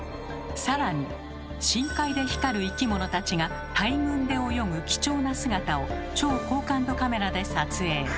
さらに深海で光る生き物たちが大群で泳ぐ貴重な姿を超高感度カメラで撮影。